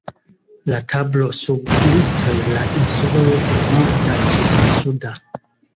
La tablo sub listoj la insuloj de Norda ĝis Suda.